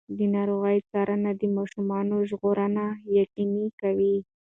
د ناروغۍ څارنه د ماشومانو ژغورنه یقیني کوي.